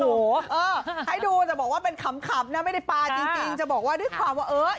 โอ้โหให้ดูแต่บอกว่าเป็นขำนะไม่ได้ปลาจริงจะบอกว่าด้วยความว่าเออ